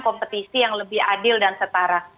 kompetisi yang lebih adil dan setara